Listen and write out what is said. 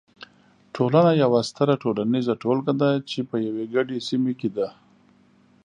ټولنه یوه ستره ټولنیزه ټولګه ده چې په یوې ګډې سیمې کې ده.